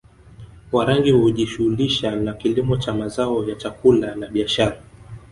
Warangi hujishughulisha na kilimo cha mazao ya chakula na biashara